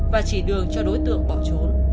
và chỉ đường cho đối tượng bỏ trốn